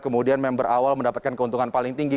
kemudian member awal mendapatkan keuntungan paling tinggi